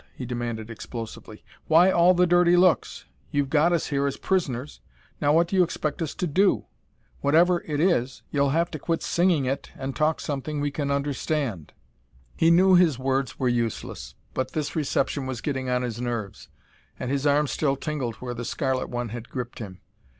he demanded explosively. "Why all the dirty looks? You've got us here as prisoners now what do you expect us to do? Whatever it is, you'll have to quit singing it and talk something we can understand." He knew his words were useless, but this reception was getting on his nerves and his arm still tingled where the scarlet one had gripped him.